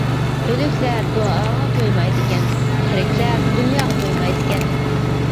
ئۆلۈكلەر دۇئاغا تويمايدىكەن، تىرىكلەر دۇنياغا تويمايدىكەن.